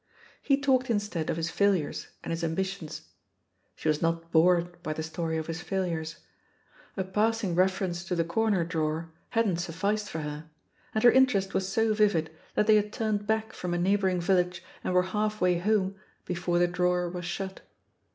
He talked instead of his failures and his ambitions. She was not bored by the story of his failures; a passing reference to the corner drawer hadn't sufficed for her, and her interest was so vivid that they had turned back from a neighbouring village and were half way home before the drawer was shut.